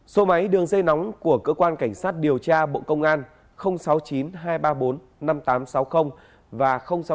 số máy đường dây nóng của cơ quan cảnh sát điều tra bộ công an sáu mươi chín hai trăm ba mươi bốn năm nghìn tám trăm sáu mươi và sáu mươi chín hai trăm ba mươi hai một nghìn sáu trăm sáu mươi